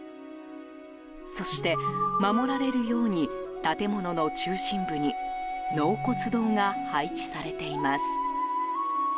そして、守られるように建物の中心部に納骨堂が配置されています。